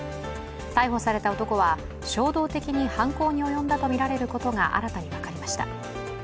逮捕された男は衝動的に犯行に及んだとみられることが新たに分かりました。